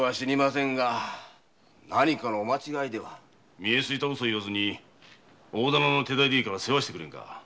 みえすいたウソを言わずに大店の手代でいいから世話してくれんか。